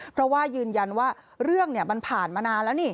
เพราะว่ายืนยันว่าเรื่องมันผ่านมานานแล้วนี่